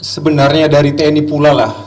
sebenarnya dari tni pula lah